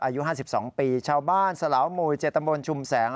อายุ๕๒ปีชาวบ้านสลาวหมู่๗ตำบลชุมแสง